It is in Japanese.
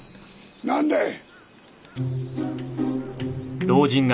なんだい？